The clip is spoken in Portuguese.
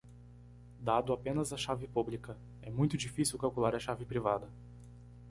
Dado apenas a chave pública?, é muito difícil calcular a chave privada.